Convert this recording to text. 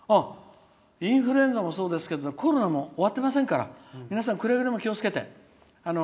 インフルエンザもそうですけどコロナも終わってませんからくれぐれも気をつけて。